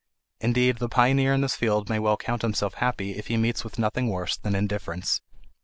Indeed, the pioneer in this field may well count himself happy if he meets with nothing worse than indifference.